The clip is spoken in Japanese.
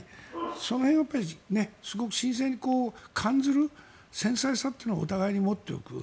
その辺をすごく新鮮に感ずる繊細さというのをお互いに持っておく。